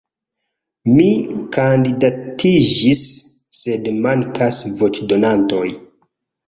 Mi kandidatiĝis, sed mankas voĉdonantoj.